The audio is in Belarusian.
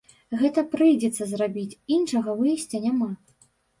Гэта прыйдзецца зрабіць, іншага выйсця няма.